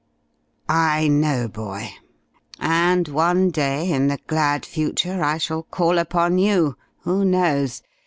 "I know, boy. And one day in the glad future I shall call upon you who knows?